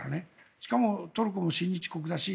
しかもトルコは親日国だし。